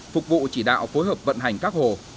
phục vụ chỉ đạo phối hợp vận hành các hồ